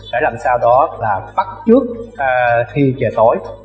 để làm sao đó là bắt trước khi trời tối